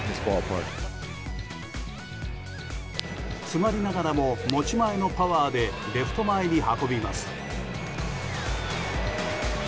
詰まりながらも持ち前のパワーでレフト前に運びます。